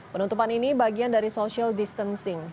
penutupan ini bagian dari social distancing